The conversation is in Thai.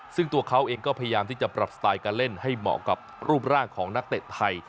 ซึ่งตัวเขาเองก็พยายามที่จะปรับสไตล์การเล่นให้เหมาะกับรูปร่างของนักเตะไทย